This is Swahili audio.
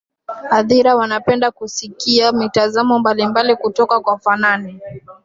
hadhira wanapenda kusikia mitazamo mbalimbali kutoka kwa fanani